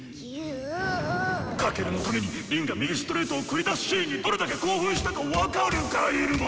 翔のために凛が右ストレートを繰り出すシーンにどれだけ興奮したか分かるか⁉イルマ！